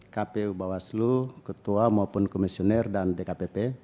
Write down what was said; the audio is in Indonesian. kpu bawaslu ketua maupun komisioner dan dkpp